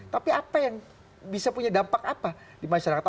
tapi apa yang bisa punya dampak apa di masyarakat